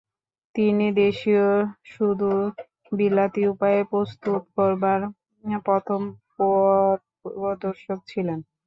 তিনি দেশীয় ওষুধ বিলাতি উপায়ে প্রস্তুত করবার প্রথম পথপ্রদর্শক ছিলেন।